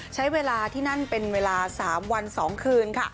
ใช้เวลาที่นั่นเป็นเวลา๓วัน๒คืนค่ะ